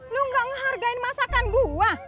lu gak ngehargain masakan gue